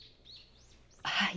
はい。